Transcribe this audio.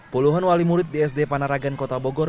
puluhan wali murid di sd panaragan kota bogor